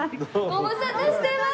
ご無沙汰してます！